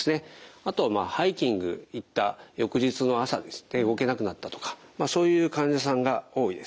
あとはハイキングに行った翌日の朝動けなくなったとかそういう患者さんが多いです。